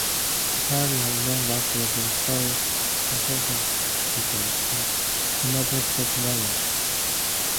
The Canadian network will be fully compatible with the United States network.